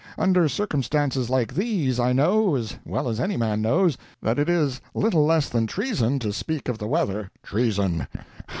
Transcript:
Under circumstances like these, I know, as well as any man knows, that it is little less than treason to speak of the weather—" "Treason!